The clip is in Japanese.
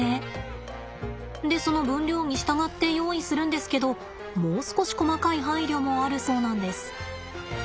でその分量に従って用意するんですけどもう少し細かい配慮もあるそうなんです。